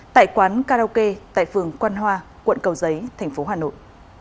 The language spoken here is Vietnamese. tại quán karaoke tại phường quan hoa quận cầu giấy thành phố hà nội